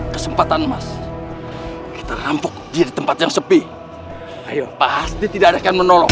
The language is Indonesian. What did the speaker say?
kesempatan mas kita rampuk diri tempat yang sepi ayo pasti tidak akan menolong